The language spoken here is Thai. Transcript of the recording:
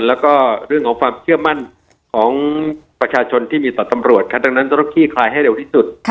แล้วก็เรื่องของความเชื่อมั่นของประชาชนที่มีต่อตำรวจดังนั้นต้องขี้คลายให้เร็วที่สุด